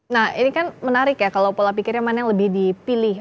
nah ini kan menarik ya kalau pola pikirnya mana yang lebih dipilih